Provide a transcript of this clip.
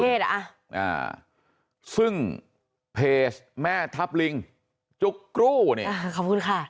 รวมเพศอะอ่าซึ่งแม่ทับลิงจุ๊บกรูนี่อ่าขอบคุณค่ะ